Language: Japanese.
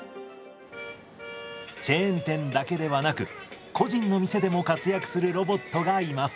チェーン店だけではなく個人の店でも活躍するロボットがいます。